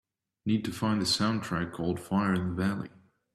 Need to find the soundtrack called Fire in the Valley